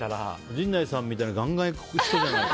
陣内さんみたいなガンガン行く人じゃないと。